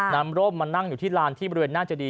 ร่มมานั่งอยู่ที่ลานที่บริเวณหน้าเจดี